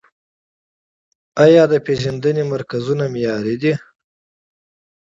آیا تشخیصیه مرکزونه معیاري دي؟